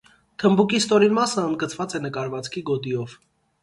Թմբուկի ստորին մասը ընդգծված է նկարվածքի գոտիով։